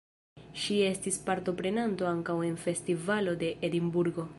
Ŝi estis partoprenanto ankaŭ en festivalo de Edinburgo.